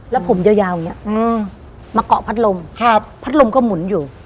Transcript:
แล้วผมยาวอย่างนี้มาเกาะพัดลมพัดลมก็หมุนอยู่